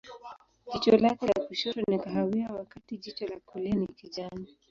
Jicho lake la kushoto ni kahawia, wakati jicho la kulia ni kijani.